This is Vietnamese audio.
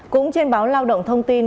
cũng trên báo lao động thông tin